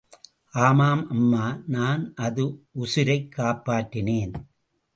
ஆமாம், அம்மா நான் அது உசிரைக் காப்பாற்றினேன்.